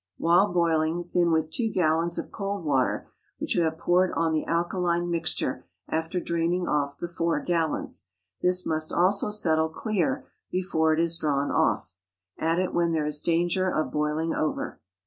While boiling, thin with two gallons of cold water, which you have poured on the alkaline mixture after draining off the four gallons. This must also settle clear before it is drawn off. Add it when there is danger of boiling over.